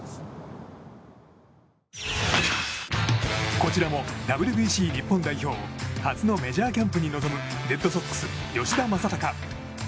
こちらもＷＢＣ日本代表初のメジャーキャンプに臨むレッドソックス、吉田正尚。